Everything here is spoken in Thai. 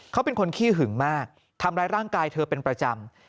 เขาเป็นคนขี้หึงมากทำร้ายร่างกายเธอเป็นประจำ